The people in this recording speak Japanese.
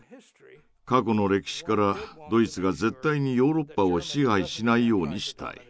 過去の歴史からドイツが絶対にヨーロッパを支配しないようにしたい。